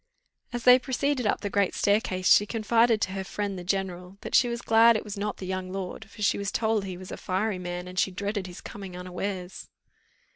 As they proceeded up the great staircase, she confided to her friend, the general, that she was glad it was not the young lord, for she was told he was a fiery man, and she dreaded his coming unawares.